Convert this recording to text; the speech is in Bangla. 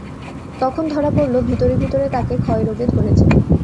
তখন ধরা পড়ল ভিতরে ভিতরে তাকে ক্ষয়রোগে ধরেছে।